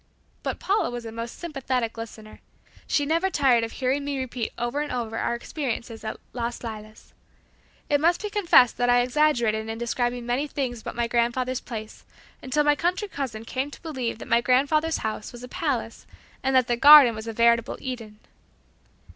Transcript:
But Paula was a most sympathetic listener. She never tired of hearing me repeat over and over our experiences at "Las Lilas." It must be confessed that I exaggerated in describing many things about my grandfather's place, until my country cousin came to believe that my grandfather's house was a palace and that the garden was a veritable Eden.